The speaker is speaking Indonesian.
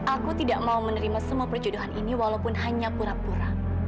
aku tidak mau menerima semua perjodohan ini walaupun hanya pura pura